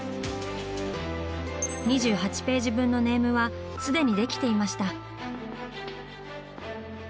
２８ページ分のネームは既にできていました。